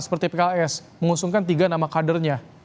seperti pks mengusungkan tiga nama kadernya